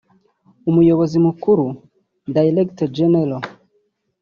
Umuyobozi Mukuru (Director General)